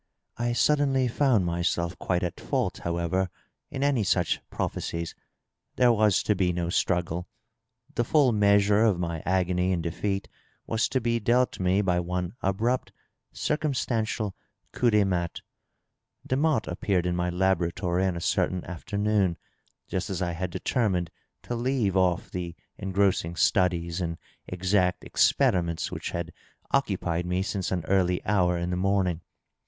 I suddenly found myself quite at fault, however, in any such prophe cies. There was to be no struggle. The full measure of my agony and defeat was to be dealt me by one abrupt circumstantial coup de maUre. Demotte appeared in my laboratory on a certain afternoon, just as I had determined to leave off the engrossing studies and exact experiments which had occupied me since an early hour in the morning.